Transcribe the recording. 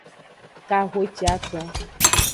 Kahiciaton.